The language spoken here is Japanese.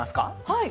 はい。